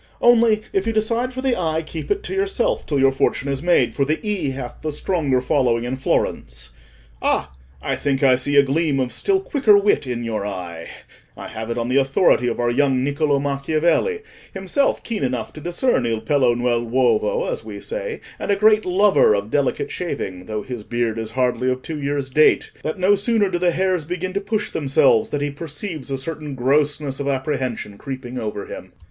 Only, if you decide for the i, keep it to yourself till your fortune is made, for the e hath the stronger following in Florence. Ah! I think I see a gleam of still quicker wit in your eye. I have it on the authority of our young Niccolò Macchiavelli, himself keen enough to discern il pelo nell' uovo, as we say, and a great lover of delicate shaving, though his beard is hardly of two years' date, that no sooner do the hairs begin to push themselves, than he perceives a certain grossness of apprehension creeping over him."